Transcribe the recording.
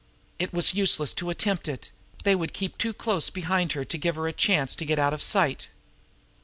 It was useless to attempt it; they would keep too close behind to give her a chance to get out of sight.